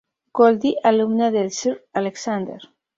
Goldie, alumna del Sr. Alexander.